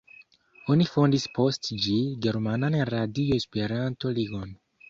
Oni fondis post ĝi „Germanan Radio-Esperanto-Ligon“.